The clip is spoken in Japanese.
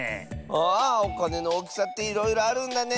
あおかねのおおきさっていろいろあるんだね！